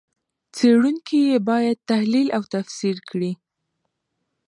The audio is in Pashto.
څېړونکي یې باید تحلیل او تفسیر کړي.